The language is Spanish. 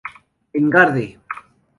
En Garde!